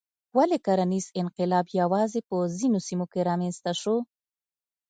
ولې کرنیز انقلاب یوازې په ځینو سیمو رامنځته شو؟